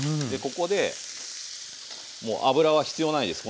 ここでもう油は必要ないです